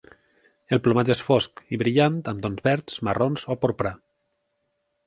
El plomatge és fosc i brillant amb tons verds, marrons o porpra.